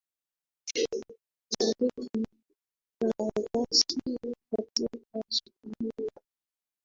uhalifu mkubwa na ghasia katika nchi hizo